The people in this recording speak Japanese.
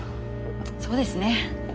そうですね。